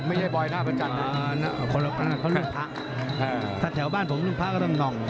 ไม่ใช่บอยนะประจัดอ่าคนคนลูกภาพถ้าแถวบ้านผมลูกภาพก็ต้องน่อง